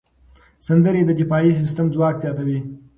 سندرې د دفاعي سیستم ځواک زیاتوي.